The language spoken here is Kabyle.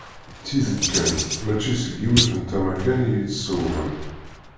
Tidet kan, mačči seg yiwet n tama kan i yi-tessewhem.